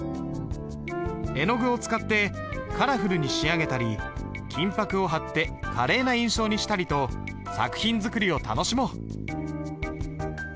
絵の具を使ってカラフルに仕上げたり金箔を貼って華麗な印象にしたりと作品作りを楽しもう。